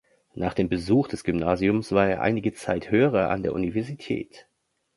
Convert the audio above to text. Nach dem Besuch des Gymnasiums war er einige Zeit Hörer an der Universität.